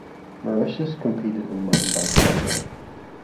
Mauritius competed in mountain bike cycling.